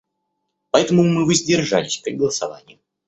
Поэтому мы воздержались при голосовании.